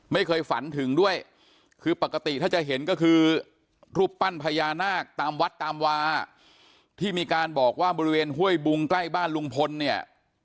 ไม่เคยฝันถึงด้วยคือปกติถ้าจะเห็นก็คือรูปปั้นพญานาคตามวัดตามวาที่มีการบอกว่าบริเวณห้วยบุงใกล้บ้านลุงพลเนี่ย